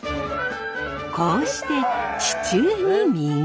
こうして地中に実が。